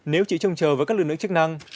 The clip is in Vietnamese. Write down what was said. nếu chị trông chờ với các lực lượng chức năng